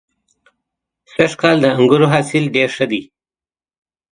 سږ کال د انګورو حاصل ډېر ښه دی.